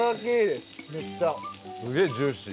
すげえジューシー。